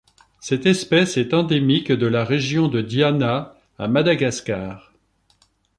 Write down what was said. Cette espèce est endémique de la région de Diana à Madagascar.